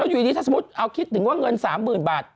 อยู่ดีถ้าสมมุติเอาคิดถึงว่าเงิน๓๐๐๐บาท